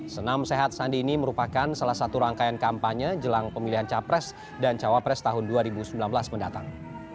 senam sehat sandi ini merupakan salah satu rangkaian kampanye jelang pemilihan capres dan cawapres tahun dua ribu sembilan belas mendatang